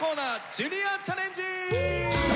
「ジュニアチャレンジ」！